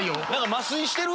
麻酔してる？